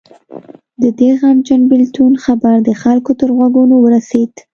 د دې غمجن بېلتون خبر د خلکو تر غوږونو ورسېد.